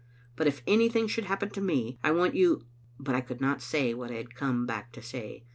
But if anything should happen to me, I want you " But I could not say what I had come back to say.